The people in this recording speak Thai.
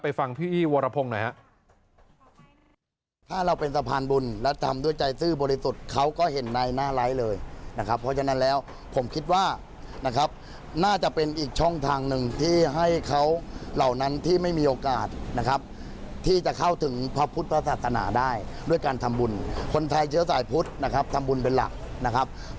ฟังพี่วรพงศ์หน่อยครับ